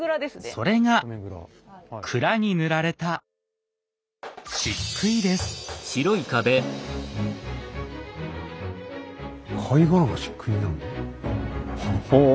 それが蔵に塗られた貝殻がしっくいになるの？